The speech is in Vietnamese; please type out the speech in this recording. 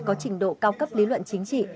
có trình độ cao cấp lý luận chính trị